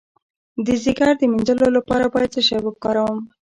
د ځیګر د مینځلو لپاره باید څه شی وکاروم؟